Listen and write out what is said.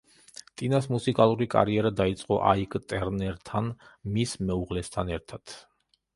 ტინას მუსიკალური კარიერა დაიწყო აიკ ტერნერთან, მის მეუღლესთან ერთად.